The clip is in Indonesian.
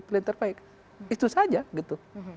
pilihan terbaik itu saja gitu